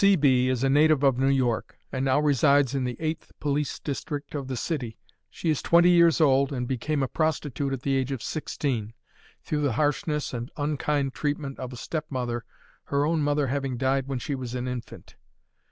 C. B. is a native of New York, and now resides in the Eighth Police District of the city. She is twenty years old, and became a prostitute at the age of sixteen, through the harshness and unkind treatment of a stepmother, her own mother having died when she was an infant.